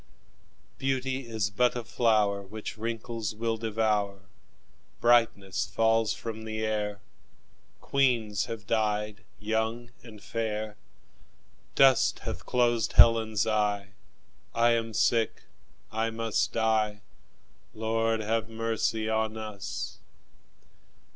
Beauty is but a flower Which wrinkles will devour; Brightness falls from the air; Queens have died young and fair; Dust hath closed Helen's eye; I am sick, I must die Lord, have mercy on us!